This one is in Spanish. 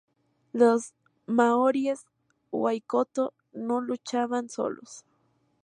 Los maoríes Waikato no luchaban solos.